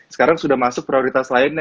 sekarang sudah masuk prioritas lainnya